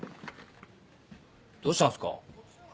どうしたんすか？